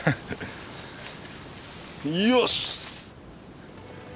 よし！